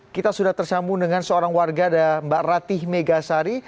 kita sudah tersambung dengan seorang warga ada mbak ratih megasari